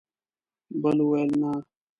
بل وویل: نه!